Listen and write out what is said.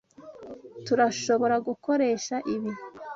Turashobora gukoresha ibi.